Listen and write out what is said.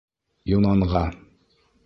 Юнанға: